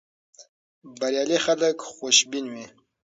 بریالي خلک خوشبین وي.